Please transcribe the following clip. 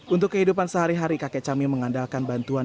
untuk kehidupan sehari hari kakek camil mengandalkan bantuan